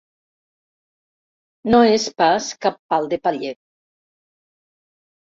No és pas cap pal de paller.